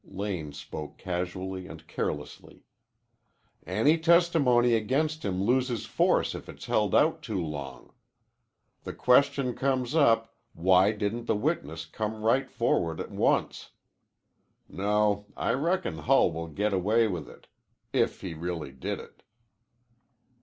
Lane spoke casually and carelessly. "Any testimony against him loses force if it's held out too long. The question comes up, why didn't the witness come right forward at once. No, I reckon Hull will get away with it if he really did it."